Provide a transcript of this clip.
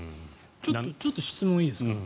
ちょっと質問いいですか？